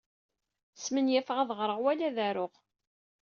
Smenyafeɣ ad ɣreɣ wala ad aruɣ.